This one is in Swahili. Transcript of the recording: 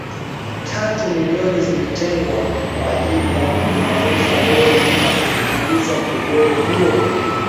tatu milioni zilizotengwa kwa ajili ya kuimarisha bei na kumaliza mgogoro huo